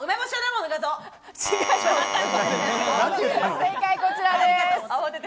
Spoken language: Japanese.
正解、こちらです。